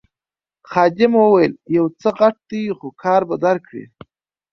خادم وویل یو څه غټ دی خو کار به درکړي.